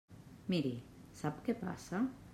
Miri, sap què passa?